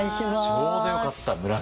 ちょうどよかった村木さん。